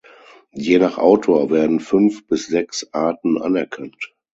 Je nach Autor werden fünf bis sechs Arten anerkannt.